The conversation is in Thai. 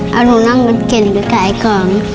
เอาหนูนั่งรถเก่งไปขายก่อน